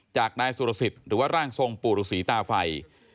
จากนายสุรสิทธิ์หรือว่าร่างทรงปู่ฤษีตาไฟ